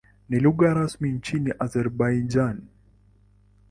Ni lugha rasmi nchini Azerbaijan.